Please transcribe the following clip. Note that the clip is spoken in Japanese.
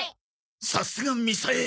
さすがみさえ！